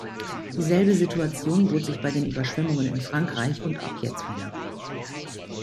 Dieselbe Situation bot sich bei den Überschwemmungen in Frankreich und auch jetzt wieder.